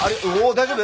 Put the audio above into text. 大丈夫？